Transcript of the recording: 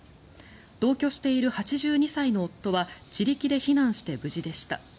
同居している８２歳の夫は自力で避難して無事でした。